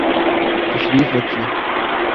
تشریف رکھئے